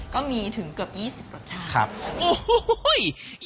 ก็มีถึงเกือบ๒๐รสชาติ